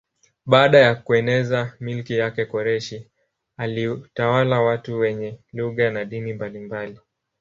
Baada ya kueneza milki yake Koreshi alitawala watu wenye lugha na dini mbalimbali.